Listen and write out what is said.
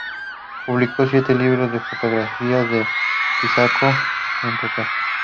Publicó siete libros de fotografías de Picasso en total.